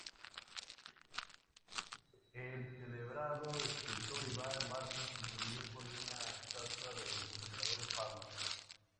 El celebrado escultor Iván Martos contribuyó con una estatua del emperador Pablo.